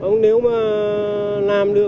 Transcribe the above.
nếu mà làm được